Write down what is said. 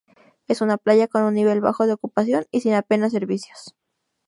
Es una playa con un nivel bajo de ocupación y sin apenas servicios.